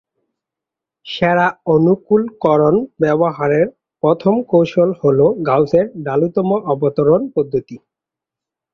সেরা-অনুকূলকরণ ব্যবহারের প্রথম কৌশল হল গাউসের ঢালুতম-অবতরণ পদ্ধতি।